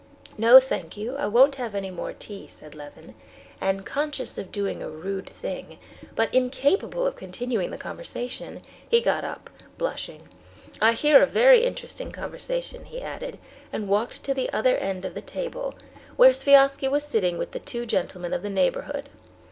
"No, thank you, I won't have any more tea," said Levin, and conscious of doing a rude thing, but incapable of continuing the conversation, he got up, blushing. "I hear a very interesting conversation," he added, and walked to the other end of the table, where Sviazhsky was sitting with the two gentlemen of the neighborhood.